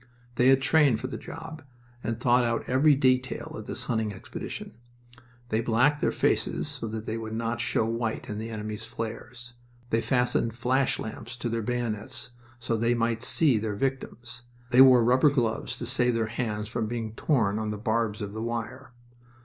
They had trained for the job and thought out every detail of this hunting expedition. They blacked their faces so that they would not show white in the enemy's flares. They fastened flash lamps to their bayonets so that they might see their victims. They wore rubber gloves to save their hands from being torn on the barbs of the wire.